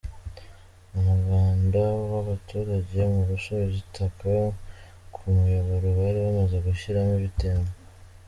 Umuganda w’abaturage mu gusubiza itaka ku muyoboro bari bamaze gushyiramo ibitembo.